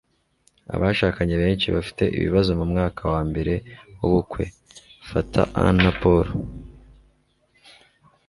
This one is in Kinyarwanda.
Abashakanye benshi bafite ibibazo mumwaka wambere wubukwe Fata Ann na Paul